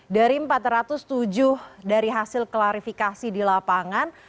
dari empat ratus tujuh dari hasil klarifikasi di lapangan